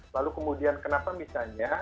lalu kemudian kenapa misalnya